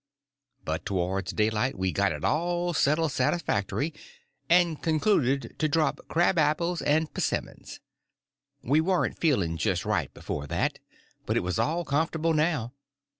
But towards daylight we got it all settled satisfactory, and concluded to drop crabapples and p'simmons. We warn't feeling just right before that, but it was all comfortable now.